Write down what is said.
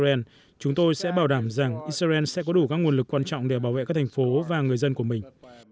trong thời gian chúng tôi sẽ bảo đảm rằng israel sẽ có đủ các nguồn lực quan trọng để bảo vệ các thành phố và người dân của mình